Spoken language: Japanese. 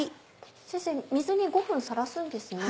先生水に５分さらすんですね。